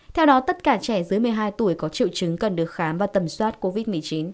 theo đó tất cả trẻ dưới một mươi hai tuổi có triệu chứng cần được khám và tầm soát covid một mươi chín